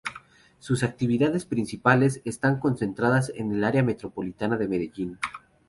Sus actividades principales están concentradas en el Área Metropolitana de Medellín.